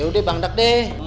yaudah bangdek deh